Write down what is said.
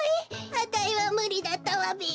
あたいはむりだったわべ。